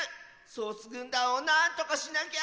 ソースぐんだんをなんとかしなきゃ！